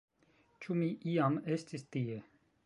Ĉu mi iam estis tie?